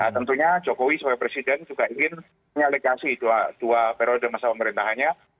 tentunya jokowi sebagai presiden juga ingin menyaligasi dua periode masa pemerintahnya